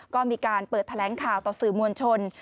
ก็มีการเปิดแถลงข่าวต่อสื่อมวลชน